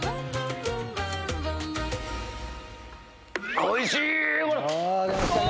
おいしー！